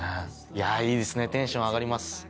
いやいいですねテンション上がります。